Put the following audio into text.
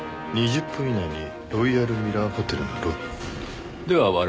２０分以内にロイヤルミラーホテルのロビー。